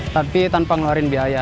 tapi tanpa ngeluarin biaya